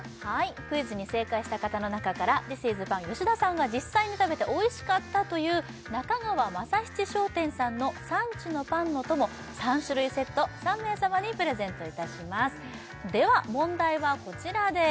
クイズに正解した方の中からＴＨＩＳＩＳパン吉田さんが実際に食べておいしかったという中川政七商店さんの産地のパンのとも３種類セット３名様にプレゼントいたしますでは問題はこちらです